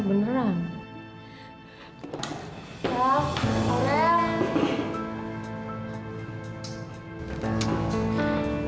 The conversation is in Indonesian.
itu beneran nih gak ada yang rekayasa beneran